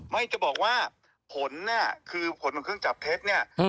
ไม่จะบอกว่าผลเนี่ยคือผลของเครื่องจับเท็จเนี่ย